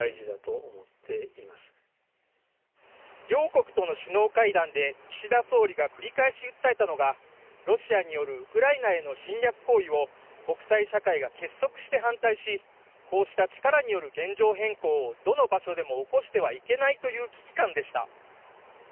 両国との首脳会談で岸田総理が繰り返し訴えたのがロシアによるウクライナへの侵略行為を国際社会が結束して反対し、こうした力による現状変更をどの場所でも起こしてはいけないという危機感でした。